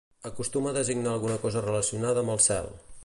Acostuma a designar alguna cosa relacionada amb el cel.